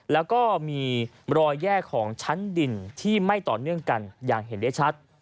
แล้วก็มีรอยแยกของชั้นดินที่ไม่ต่อเนื่องกันอย่างเห็นได้ชัด